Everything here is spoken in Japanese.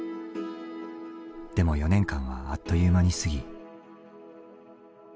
でも４年間はあっという間に過ぎ。